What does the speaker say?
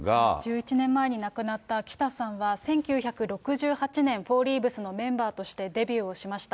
１１年前に亡くなった北さんは１９６８年、フォーリーブスのメンバーとしてデビューをしました。